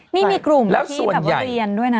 นี่มีกลุ่มที่แบบเรียนด้วยนะ